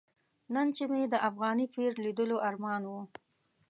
نن چې مې د افغاني پیر لیدلو ارمان و.